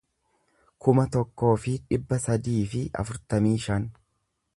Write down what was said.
kuma tokkoo fi dhibba sadii fi afurtamii shan